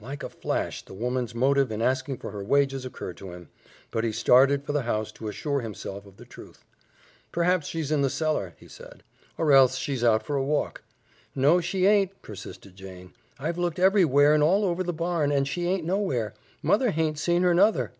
Like a flash the woman's motive in asking for her wages occurred to him, but he started for the house to assure himself of the truth. "Perhaps she's in the cellar," he said, remembering the cider barrel, "or else she's out for a walk." "No, she aint," persisted Jane. "I've looked everywhere and all over the barn, and she aint nowhere. Mother haint seen her, nuther."